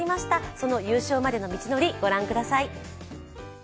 その優勝までの道のりご覧ください。